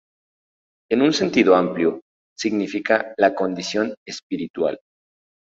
En un sentido amplio, significa la condición espiritual.